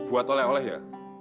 buat oleh oleh ya